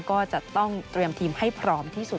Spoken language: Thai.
ก็จะต้องเตรียมทีมให้พร้อมที่สุด